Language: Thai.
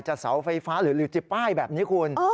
เสาไฟฟ้าหรือจะป้ายแบบนี้คุณ